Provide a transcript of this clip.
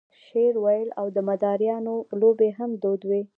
شعر ویل او د مداریانو لوبې هم دود وې.